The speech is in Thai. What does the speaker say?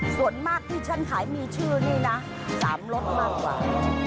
ส่วนมากที่ฉันขายมีชื่อนี่นะ๓รสมากกว่า